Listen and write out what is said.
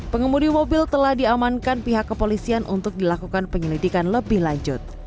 pengemudi mobil telah diamankan pihak kepolisian untuk dilakukan penyelidikan lebih lanjut